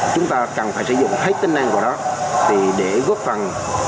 chúng ta cần phải sử dụng hết tính năng của nó để góp phần